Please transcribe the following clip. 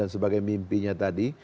sebagai mimpinya tadi